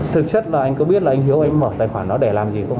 thực chất là anh có biết là anh hữu mở tài khoản đó để làm gì không